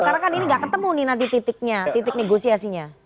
karena kan ini gak ketemu nih nanti titiknya titik negosiasinya